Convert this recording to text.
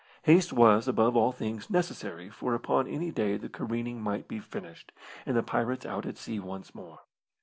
Haste was, above all things, necessary, for upon any day the careening might be finished, and the pirates out at sea once more.